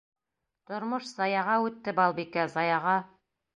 Тормош заяға үтте, Балбикә, заяға!..